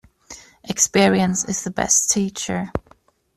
Experience is the best teacher.